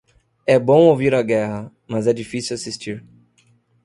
É bom ouvir a guerra, mas é difícil assistir.